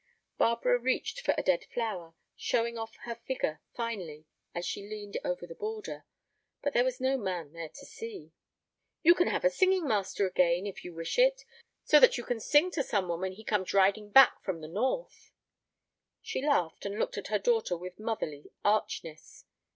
Barbara reached for a dead flower, showing off her figure finely as she leaned over the border—but there was no man there to see. "You can have a singing master again, if you wish for it, so that you can sing to some one when he comes riding back from the North." She laughed and looked at her daughter with motherly archness.